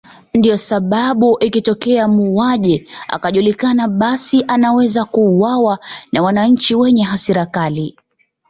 Ndio sababu ikitokea muuaji akajulikana basi anaweza kuuwawa na wanachi wenye hasra kali